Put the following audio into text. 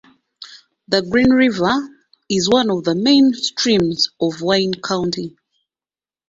The Green River is one of the main streams of Wayne County.